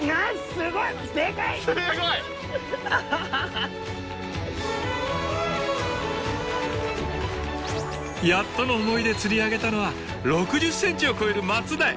すごい！やっとの思いで釣り上げたのは６０ｃｍを超えるマツダイ。